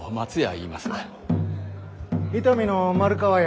伊丹の丸川屋や。